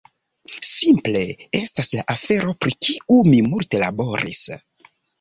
simple estas la afero pri kiu mi multe laboris